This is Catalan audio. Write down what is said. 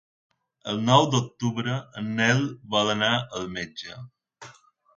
El nou d'octubre en Nel vol anar al metge.